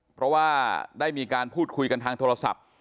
เพราะว่าได้มีการพูดคุยกันทางโทรศัพท์